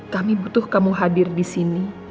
kami butuh kamu hadir disini